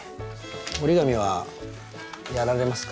折り紙はやられますか？